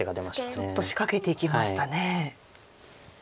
ちょっと仕掛けていきましたね。